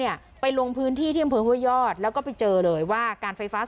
มีประชาชนในพื้นที่เขาถ่ายคลิปเอาไว้ได้ค่ะ